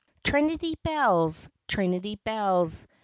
Trinity Bells! Trinity Bells!